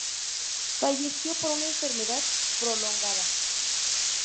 Falleció por una enfermedad prolongada.